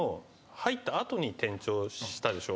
入った後に転調したでしょ？